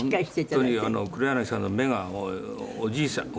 本当に黒柳さんの目がもうおじいちゃん